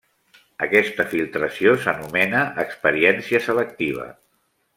Aquesta filtració s'anomena experiència selectiva.